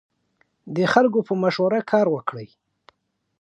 د خلکو په مشوره کار وکړئ.